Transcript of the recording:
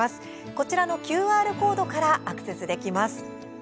こちらのＱＲコードからアクセスできます。